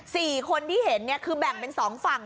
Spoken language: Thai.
สี่คนที่เห็นเนี่ยคือแบ่งเป็นสองฝั่ง